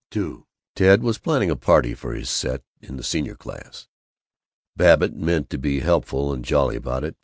II Ted was planning a party for his set in the Senior Class. Babbitt meant to be helpful and jolly about it.